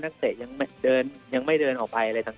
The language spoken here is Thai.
นักเสร็จยังไม่เดินออกไปอะไรต่าง